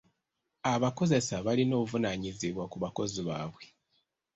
Abakozesa balina obuvunaanyizibwa ku bakozi baabwe.